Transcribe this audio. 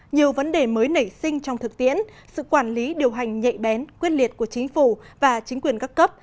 nhiều vấn đề mới nảy sinh trong thực tiễn sự quản lý điều hành nhạy bén quyết liệt của chính phủ và chính quyền các cấp